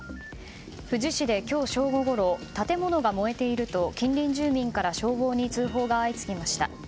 富士市で今日正午ごろ建物が燃えていると近隣住民から消防に通報が相次ぎました。